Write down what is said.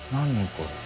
これ。